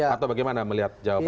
atau bagaimana melihat jawaban dari